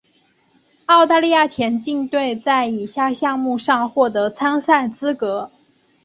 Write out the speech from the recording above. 澳大利亚田径队在以下项目上获得参赛资格。